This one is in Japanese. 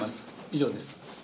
以上です。